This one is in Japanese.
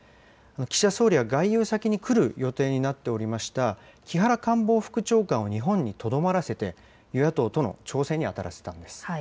岸田総理は外遊先に来る予定になっておりました木原官房副長官を日本にとどまらせて、与野党との調整に当たらせたんです。